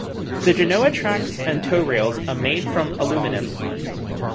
The genoa tracks and toe rails are made from aluminum.